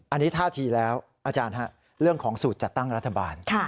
อันนี้ท่าทีแล้วอาจารย์เรื่องของสูตรจัดตั้งรัฐบาล